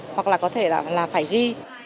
hoặc là có thể là phải ghi